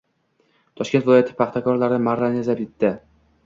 Toshkent viloyati paxtakorlari marrani zabt etding